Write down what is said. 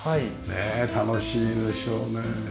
ねえ楽しいでしょうね。